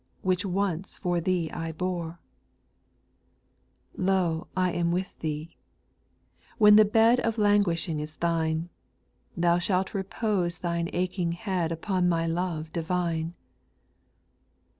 Which once for thee I bore 1 4. " Lo I I am with thee," when the bed Of languishing is thine ; Thou shalt repose thine aching head Upon my love divine.